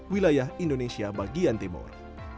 wilayah indonesia bagian timur